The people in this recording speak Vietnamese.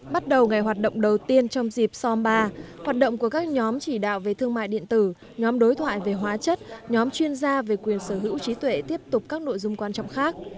bắt đầu ngày hoạt động đầu tiên trong dịp som ba hoạt động của các nhóm chỉ đạo về thương mại điện tử nhóm đối thoại về hóa chất nhóm chuyên gia về quyền sở hữu trí tuệ tiếp tục các nội dung quan trọng khác